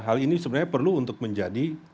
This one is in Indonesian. hal ini sebenarnya perlu untuk menjadi